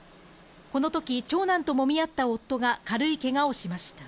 このとき、長男ともみ合った夫が軽いけがをしました。